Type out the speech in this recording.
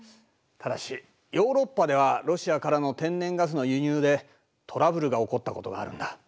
ただしヨーロッパではロシアからの天然ガスの輸入でトラブルが起こったことがあるんだ。